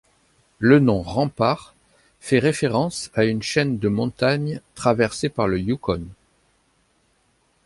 Le nom Rampart fait référence à une chaîne de montagnes traversée par le Yukon.